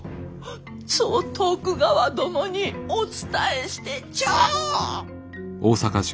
そう徳川殿にお伝えしてちょう。